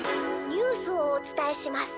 「ニュースをおつたえします。